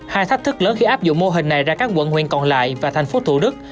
hai thách thức lớn khi áp dụng mô hình này ra các quận huyện còn lại và thành phố thủ đức